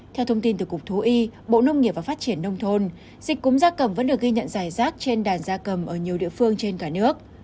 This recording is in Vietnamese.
theo thông tin từ cục thú y bộ nông nghiệp và phát triển nông thôn dịch cúm gia cầm vẫn được ghi nhận giải rác trên đàn da cầm ở nhiều địa phương trên cả nước